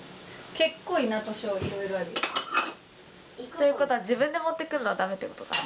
ということは自分で持ってくるのはダメってことか。